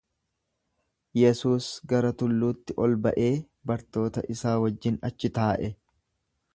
Yesuus gara tulluutti ol ba’ee bartoota isaa wajjin achi taa’e.